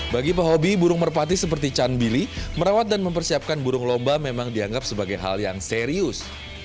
bagi pehobi burung merpati seperti can bili merawat dan mempersiapkan burung lomba memang dianggap sebagai hal yang serius